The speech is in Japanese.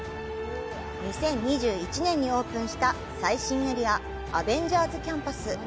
２０２１年にオープンした最新エリア、アベンジャーズ・キャンパス。